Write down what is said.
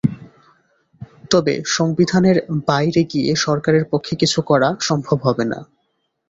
তবে সংবিধানের বাইরে গিয়ে সরকারের পক্ষে কিছু করা সম্ভব হবে না।